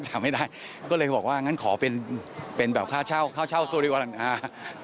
เขาบอกว่าอย่างนั้นขอเป็นแบบข้าวเช่าข้าวเช่าสุดดีกว่า